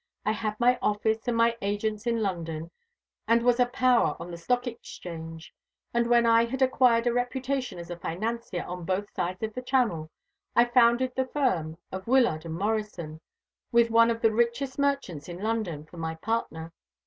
"I had my office and my agents in London, and was a power on the Stock Exchange; and when I had acquired a reputation as a financier on both sides of the Channel, I founded the firm of Wyllard & Morrison, with one of the richest merchants in London for my partner.